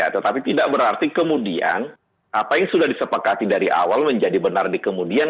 tetapi tidak berarti kemudian apa yang sudah disepakati dari awal menjadi benar di kemudian